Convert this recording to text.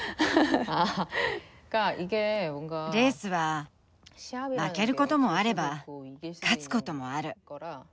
レースは負けることもあれば勝つこともある。